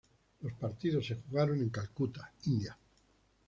Los partidos se jugaron en Calcuta, India.